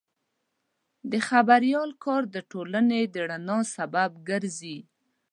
د خبریال کار د ټولنې د رڼا سبب ګرځي.